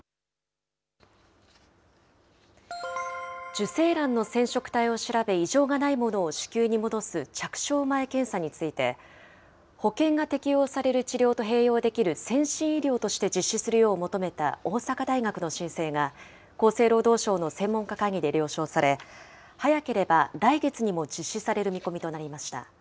受精卵の染色体を調べ、異常がないものを子宮に戻す、着床前検査について、保険が適用される治療と併用できる先進医療として実施するよう求めた大阪大学の申請が、厚生労働省の専門家会議で了承され、早ければ来月にも実施される見込みとなりました。